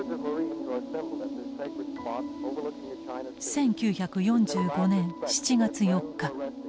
１９４５年７月４日。